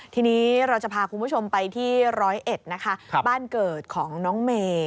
ทีนี้เราจะพาคุณผู้ชมไปที่ร้อยเอ็ดนะคะบ้านเกิดของน้องเมย์